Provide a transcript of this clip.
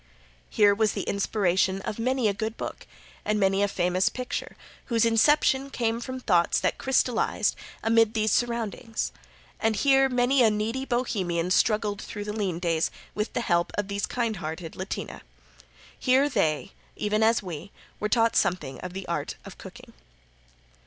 Here was the inspiration of many a good book and many a famous picture whose inception came from thoughts that crystallized amid these surroundings, and here many a needy Bohemian struggled through the lean days with the help of these kind hearted Latina. Here they, even as we, were taught something of the art of cooking.